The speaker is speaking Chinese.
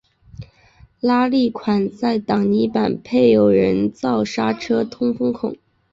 拉力款在挡泥板配有人造刹车通风孔。